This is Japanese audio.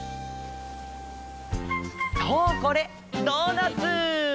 そうこれドーナツ！